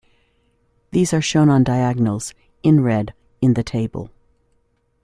These are shown on diagonals, in red, in the table.